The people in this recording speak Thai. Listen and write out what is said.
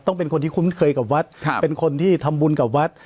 เป็นคนที่คุ้นเคยกับวัดเป็นคนที่ทำบุญกับวัด